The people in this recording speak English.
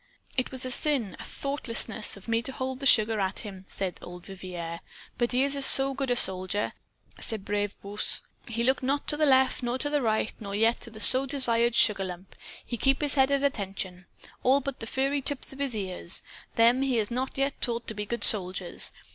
"It was a sin a thoughtlessness of me to hold the sugar at him," said old Vivier. "Ah, but he is a so good soldier, ce brave Bruce! He look not to the left nor yet to the right, nor yet to the so desired sugar lump. He keep his head at attention! All but the furry tips of his ears. Them he has not yet taught to be good soldiers.